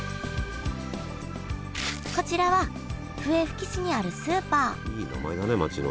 こちらは笛吹市にあるスーパーいい名前だね町の。